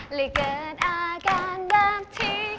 เหลือเกิดอาการดรับที่